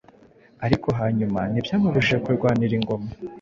ariko hanyuma ntibyamubujije kurwanira ingoma